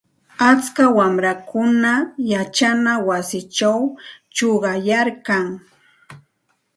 Atska wamrakunam yachana wasichaw chuqayarkan.